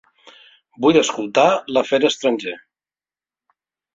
Vull escoltar l'afer estranger.